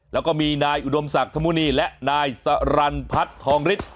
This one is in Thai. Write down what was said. แล้วก็มีนายอุดมศักดิ์ธมุณีและนายสรรพัฒน์ทองฤทธิ